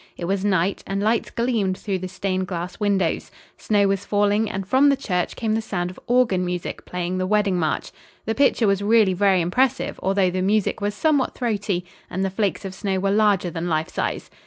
It was night and lights gleamed through the stained glass windows. Snow was falling and from the church came the sound of organ music playing the wedding march. The picture was really very impressive, although the music was somewhat throaty and the flakes of snow were larger than life size.